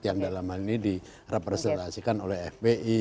yang dalam hal ini direpresentasikan oleh fpi